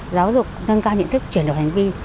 giáo dục nâng cao nhận thức chuyển đổi hành vi